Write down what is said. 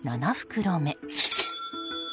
７袋目。